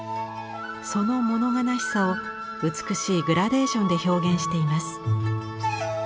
その物悲しさを美しいグラデーションで表現しています。